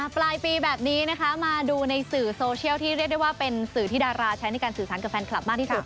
ปลายปีแบบนี้นะคะมาดูในสื่อโซเชียลที่เรียกได้ว่าเป็นสื่อที่ดาราใช้ในการสื่อสารกับแฟนคลับมากที่สุด